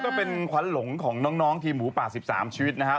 ก็เป็นขวัญหลงของน้องทีมหมูป่า๑๓ชีวิตนะครับ